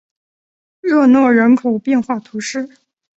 热诺人口变化图示